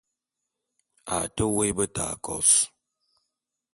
A te woé beta kôs.